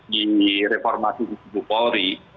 di reformasi di tubuh polri